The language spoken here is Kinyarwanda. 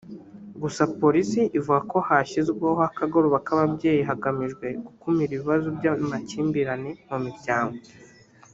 Gusa Polisi ivuga ko hashyizweho akagoroba k’ababyeyi hagamijwe gukumira ibibazo by’amakimbirane mu miryango